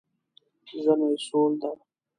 ژمی سوړ ده